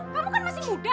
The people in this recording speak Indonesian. kamu kan masih muda